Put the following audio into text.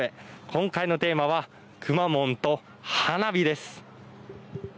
今回のテーマはくまモンと花火です。